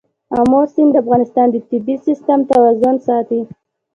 آمو سیند د افغانستان د طبعي سیسټم توازن ساتي.